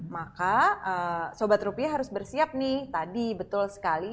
maka sobat rupiah harus bersiap nih tadi betul sekali